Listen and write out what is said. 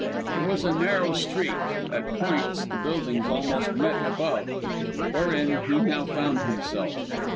It was a narrow street at points, the buildings almost met above wherein, he now found himself.